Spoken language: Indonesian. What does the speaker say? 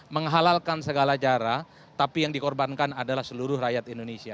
menghalalkan segala cara tapi yang dikorbankan adalah seluruh rakyat indonesia